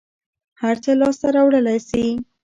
هر څه لاس ته راوړلى شې.